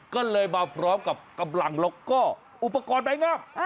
ก็เลยมาพร้อมกับกำลังล็อกก้ออุปกรณ์แบ่งงับ